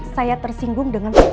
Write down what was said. saya tersinggung dengan sikap mbak